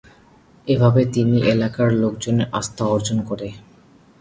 এভাবে তিনি এলাকার লোকজনের আস্থা অর্জন করেন।